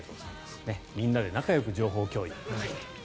みんなで仲よく情報共有。